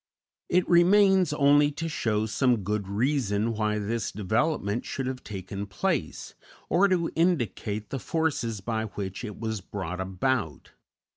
It remains only to show some good reason why this development should have taken place, or to indicate the forces by which it was brought about.